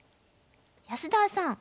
安田さん